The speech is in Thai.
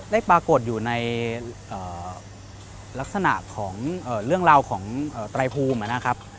ได้ปรากฏอยู่ในลักษณะของเรื่องราวของไตรภูมินะครับ